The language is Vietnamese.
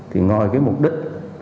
thì ngoài mục đích